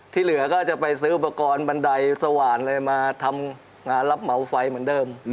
เหลือก็จะไปซื้ออุปกรณ์บันไดสว่านอะไรมาทำงานรับเหมาไฟเหมือนเดิม